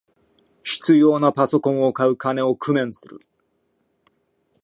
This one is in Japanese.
必要なパソコンを買う金を工面する